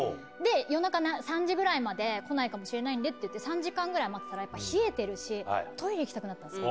夜中３時ぐらいまで来ないかもしれないのでっていって、３時間ぐらい待ってたら、やっぱ冷えてるし、トイレ行きたくなったんです。